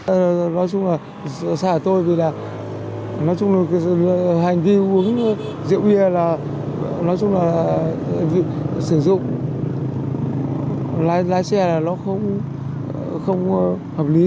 nói chung là xảy tôi vì là nói chung là hành vi uống rượu bia là nói chung là sử dụng lái xe là nó không hợp lý